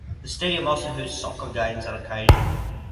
The stadium also hosts soccer games on occasion.